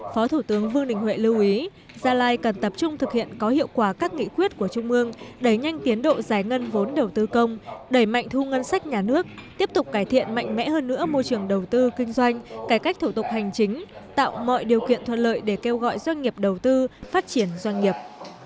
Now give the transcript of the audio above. phó thủ tướng vương đình huệ lưu ý gia lai cần tập trung thực hiện có hiệu quả các nghị quyết của trung ương đẩy nhanh tiến độ giải ngân vốn đầu tư công đẩy mạnh thu ngân sách nhà nước tiếp tục cải thiện mạnh mẽ hơn nữa môi trường đầu tư kinh doanh cải cách thủ tục hành chính tạo mọi điều kiện thuận lợi để kêu gọi doanh nghiệp đầu tư phát triển doanh nghiệp